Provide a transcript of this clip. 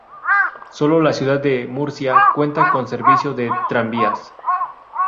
Solo la ciudad de Murcia cuenta con servicio de tranvías.